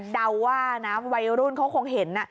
เดาว่านะวัยรุ่นเขาคงเห็น